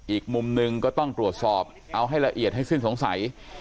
อีกมุมหนึ่งก็ต้องตรวจสอบเอาให้ละเอียดให้สิ้นสงสัย